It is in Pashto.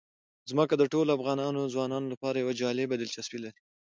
ځمکه د ټولو افغان ځوانانو لپاره یوه جالبه دلچسپي لري.